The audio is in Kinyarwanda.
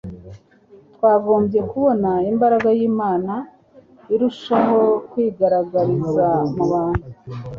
twagombye kubona imbaraga yImana irushaho kwigaragariza mu bantu